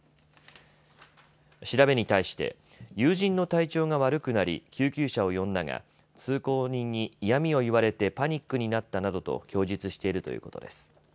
調べに対して、友人の体調が悪くなり救急車を呼んだが通行人に嫌みを言われてパニックになったなどと供述しているということです。